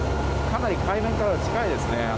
かなり海面からは近いですね。